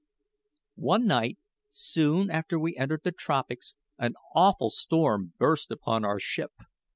One night, soon after we entered the tropics, an awful storm burst upon our ship.